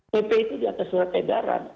pp itu di atas surat edaran